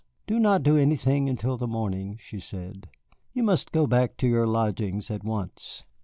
"Do not do anything until the morning," she said. "You must go back to your lodgings at once."